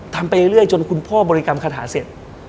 ไปเรื่อยจนคุณพ่อบริกรรมคาถาเสร็จ